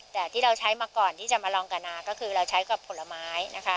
แต่ที่เราใช้มาก่อนที่จะมาลองกับนาก็คือเราใช้กับผลไม้นะคะ